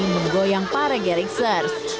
menggoyang para garrixers